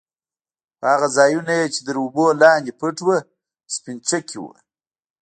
خو هغه ځايونه يې چې تر اوبو لاندې پټ وو سپينچکي وو.